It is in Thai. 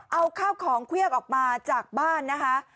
เอาข้าวของเครื่องออกมาจากบ้านนะคะ